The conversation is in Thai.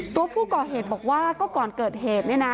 ตัวผู้ก่อเหตุบอกว่าก็ก่อนเกิดเหตุเนี่ยนะ